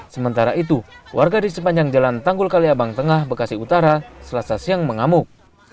sementara itu warga di sepanjang jalan tanggul kaliabang tengah bekasi utara selasa siang mengamuk